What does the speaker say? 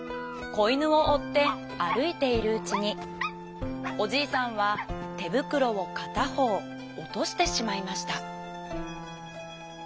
こいぬをおってあるいているうちにおじいさんはてぶくろをかたほうおとしてしまいました。